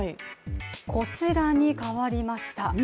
こちらに変わりました。